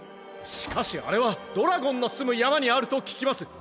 「しかしあれはドラゴンのすむやまにあるとききます」。